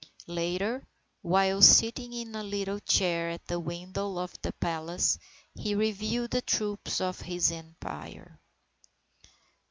Later, while sitting in a little chair at the window of the palace, he reviewed the troops of his Empire.